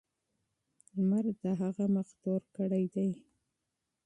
لمر د هغه مخ تور کړی دی.